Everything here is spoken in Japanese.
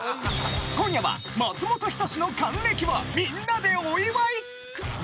今夜は松本人志の還暦をみんなでお祝い！